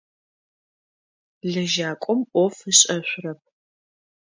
Лэжьакӏом ӏоф ышӏэшъурэп.